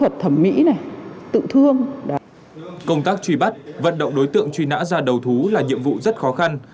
công thương truy bắt vận động đối tượng truy nã ra đầu thú là nhiệm vụ rất khó khăn